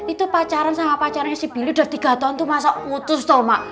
itu pacaran sama pacarannya si billy udah tiga tahun tuh masa utus tau mak